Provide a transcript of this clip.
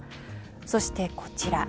そして、こちら。